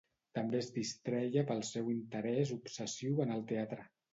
També es distreia pel seu interès obsessiu en el teatre.